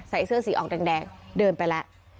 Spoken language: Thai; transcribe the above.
ใส่เสื้อสีออกแดงเดินไปแล้ว